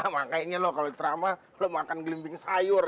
makanya lo kalau ceramah lo makan gelimbing sayur